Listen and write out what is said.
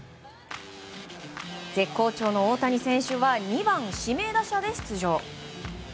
絶好調の大谷選手は２番指名打者で出場。